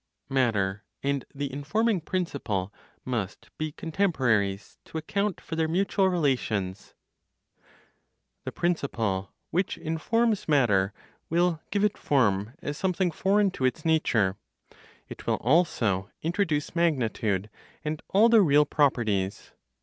MATTER AND THE INFORMING PRINCIPLE MUST BE CONTEMPORARIES TO ACCOUNT FOR THEIR MUTUAL RELATIONS. The principle which informs matter will give it form as something foreign to its nature; it will also introduce magnitude and all the real properties.